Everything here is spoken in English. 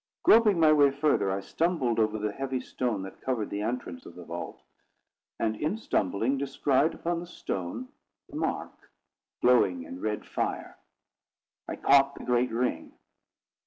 Groping my way further, I stumbled over the heavy stone that covered the entrance of the vault: and, in stumbling, descried upon the stone the mark, glowing in red fire. I caught the great ring.